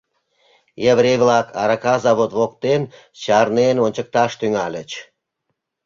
Еврей-влак арака завод воктен чарнен ончыкташ тӱҥальыч.